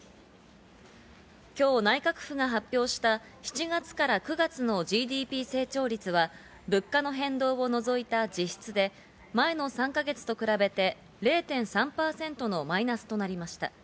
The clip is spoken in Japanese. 今日、内閣府が発表した７月から９月のＧＤＰ成長率は物価の変動を除いた実質で前の３か月と比べて０．３％のマイナスとなりました。